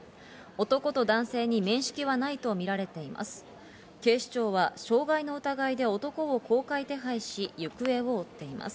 男と男性に面識はないとみられています。